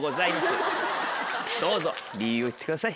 どうぞ理由を言ってください。